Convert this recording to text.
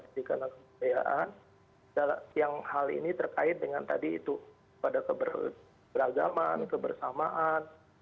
jadi karena kebudayaan yang hal ini terkait dengan tadi itu pada keberagaman kebersamaan kemudian toleransi yang itu menjadi